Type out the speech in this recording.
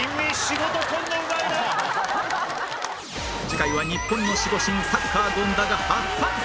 次回は日本の守護神サッカー権田が初参戦